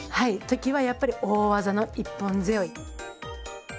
時はやっぱり大技の一本背負。